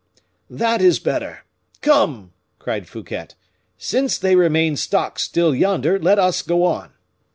"That is better. Come!" cried Fouquet; "since they remain stock still yonder, let us go on."